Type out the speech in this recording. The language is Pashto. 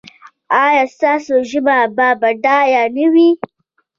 ایا ستاسو ژبه به بډایه نه وي؟